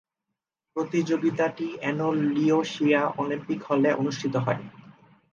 প্রতিযোগিতাটি এনো লিয়োশিয়া অলিম্পিক হলে অনুষ্ঠিত হয়।